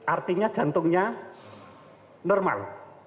artinya jantungnya normal